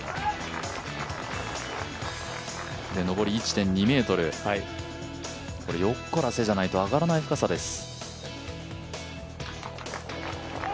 上り１．２ｍ、これよっこらせじゃないと上がらない深さです。